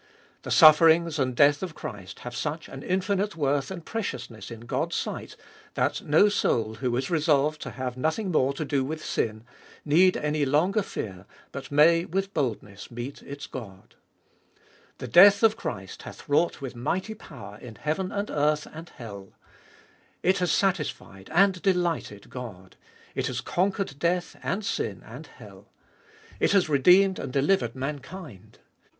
The sufferings and death of Christ have such an infinite worth and preciousness in God's sight that no soul, who is resolved to have nothing more to do with sin, need any longer fear, but may with boldness meet its God. The death of Christ 82 Gbe boltest ot BU hath wrought with mighty power in heaven and earth and hell. It has satisfied, and delighted God ; it has conquered death and sin and hell ; it has redeemed and delivered mankind.